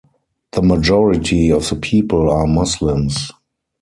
The majority of the people are Muslims.